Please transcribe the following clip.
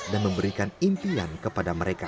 dan memberikan impian kepada mereka